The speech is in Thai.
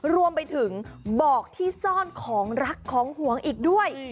รวมไปถึงบอกที่ซ่อนของรักของห่วงอีกด้วย